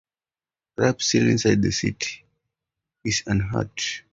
Rip, still inside the city, is unhurt.